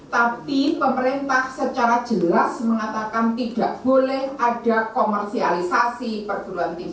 tapi pemerintah secara jelas mengatakan tidak boleh ada komersialisasi perguruan tinggi